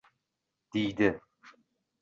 Deydi: